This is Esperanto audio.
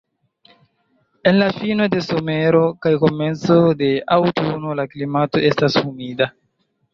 En la fino de somero kaj komenco de aŭtuno la klimato estas humida.